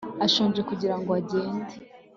ashonje kugira ngo agende